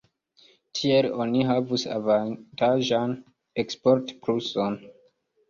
Tiel oni havus avantaĝan eksportpluson.